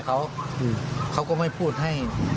เพราะไม่เคยถามลูกสาวนะว่าไปทำธุรกิจแบบไหนอะไรยังไง